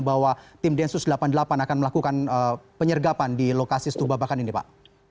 bahwa tim densus delapan puluh delapan akan melakukan penyergapan di lokasi stubabakan ini pak